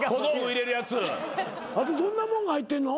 あとどんなもんが入ってんの？